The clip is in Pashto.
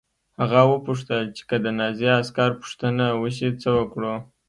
هغه وپوښتل چې که د نازي عسکر پوښتنه وشي څه وکړو